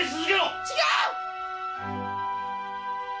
違う！